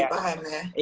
udah lebih paham ya